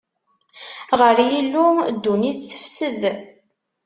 Ɣer Yillu, ddunit tefsed;